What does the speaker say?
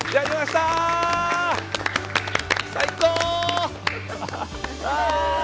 最高！